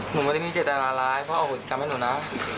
หนูไม่ได้มีเจ็บแต่ละลายพ่อเอาหัวสิกรรมให้หนูนะ